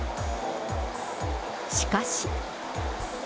しかし。